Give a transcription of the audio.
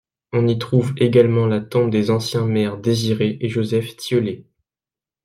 On y trouve également la tombe des anciens maires Désiré et Joseph Thieullet.